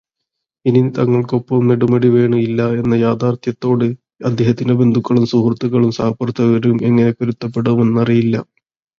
ഇനി തങ്ങൾക്കൊപ്പം നെടുമുടി വേണു ഇല്ല എന്ന യാഥാർത്ഥ്യത്തോട് അദ്ദേഹത്തിന്റെ ബന്ധുക്കളും സുഹൃത്തുക്കളും സഹപ്രവർത്തകരും എങ്ങനെ പൊരുത്തപ്പെടുമെന്നറിയില്ല.